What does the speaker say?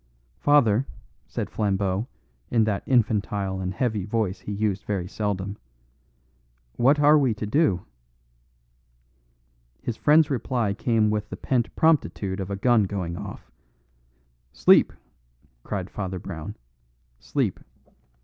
"Father," said Flambeau in that infantile and heavy voice he used very seldom, "what are we to do?" His friend's reply came with the pent promptitude of a gun going off. "Sleep!" cried Father Brown. "Sleep.